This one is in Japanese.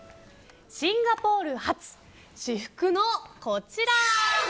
シンガポール発至福のこちら。